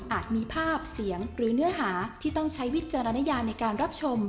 มีภาพเสียงหรือเนื้อหาที่ต้องใช้วิจารณญาในการรับชม